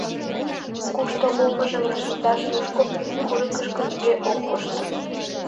Кушто улмыжым рашемдаш тушко, курыкышко, нигӧ ок кошт.